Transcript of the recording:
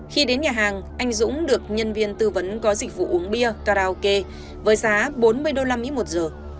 khi đến nhà hàng anh dũng được nhân viên tư vấn có dịch vụ uống bia karaoke với giá bốn mươi usd một giờ